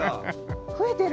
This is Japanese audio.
増えてる。